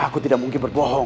aku tidak mungkin berbohong